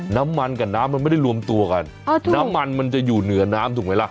น้ำมันกับน้ำมันไม่ได้รวมตัวกันน้ำมันมันจะอยู่เหนือน้ำถูกไหมล่ะ